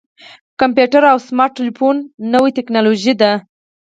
کمپیوټر او سمارټ ټلیفون نوې ټکنالوژي ده.